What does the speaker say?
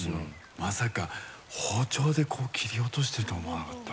まさか包丁で切り落としてるとは思わなかった。